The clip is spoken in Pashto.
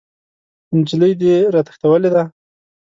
نجلۍ دې راتښتولې ده!